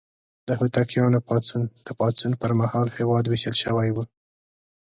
د هوتکیانو پاڅون: د پاڅون پر مهال هېواد ویشل شوی و.